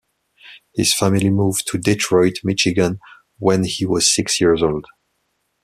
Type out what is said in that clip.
His family moved to Detroit, Michigan when he was six years old.